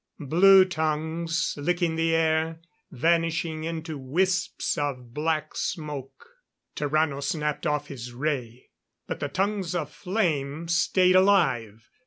Blue tongues, licking the air, vanishing into wisps of black smoke. Tarrano snapped off his ray. But the tongues of flame stayed alive.